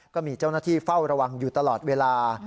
ก็มีเจ้าหน้าที่เฝ้าระวังอยู่ตลอดเวลา